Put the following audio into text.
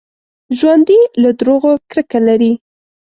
ژوندي له دروغو کرکه لري